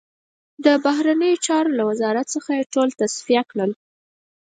د بهرنیو چارو له وزارت څخه یې ټول تصفیه کړل.